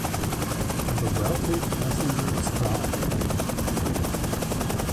The wealthy passengers drown.